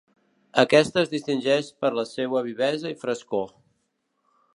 Aquesta es distingeix per la seua vivesa i frescor.